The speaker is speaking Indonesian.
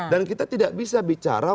dan kita tidak bisa bicara